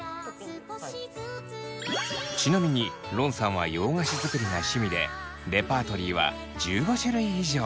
ちなみにロンさんは洋菓子作りが趣味でレパートリーは１５種類以上。